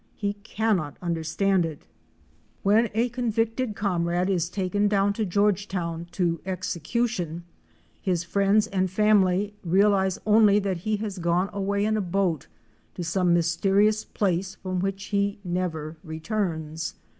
He cannot understand it. When 152 OUR SEARCH FOR A WILDERNESS. a convicted comrade is taken down to Georgetown to execu tion, his friends and family realize only that he has gone away in a boat to some mysterious place from which he never returns.